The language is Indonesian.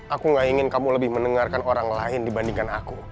aku gak ingin kamu lebih mendengarkan orang lain dibandingkan aku